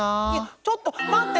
ちょっと待って！